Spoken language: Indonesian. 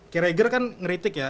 kereger kan ngeritik ya